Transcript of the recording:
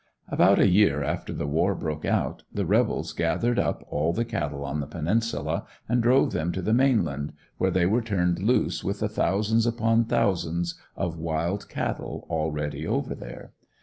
About a year after the war broke out the rebels gathered up all the cattle on the Peninsula and drove them to the mainland, where they were turned loose with the thousands upon thousands of wild cattle already over there.